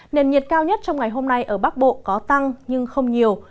nền nhiệt cao nhất trong ngày hôm nay ở bắc bộ có tăng nhưng không nhiều